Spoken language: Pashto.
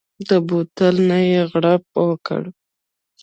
د بوتل نه يې غړپ وکړ.